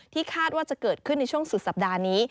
คาดว่าจะเกิดขึ้นในช่วงสุดสัปดาห์นี้